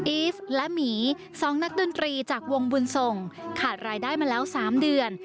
ีฟและหมี๒นักดนตรีจากวงบุญส่งขาดรายได้มาแล้ว๓เดือน